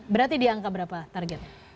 berarti di angka berapa target